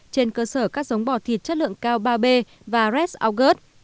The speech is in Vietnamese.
trên cơ sở các giống bò thịt chất lượng cao ba b và red augud